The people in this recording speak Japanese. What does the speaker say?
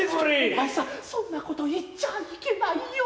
お前さんそんなこと言っちゃいけないよ。